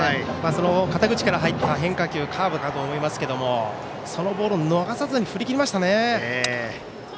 肩口から入った変化球カーブかと思いますけどそのボールを逃さずに振り切りましたね。